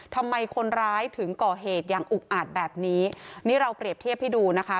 ทำไมคนร้ายถึงก่อเหตุอย่างอุกอาจแบบนี้นี่เราเปรียบเทียบให้ดูนะคะ